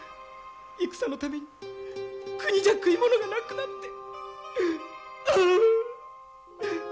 戦のために国じゃ食い物がなくなって。